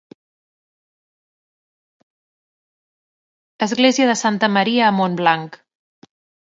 Església de Santa Maria a Montblanc